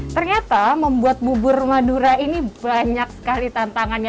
ternyata membuat bubur madura ini banyak sekali tantangannya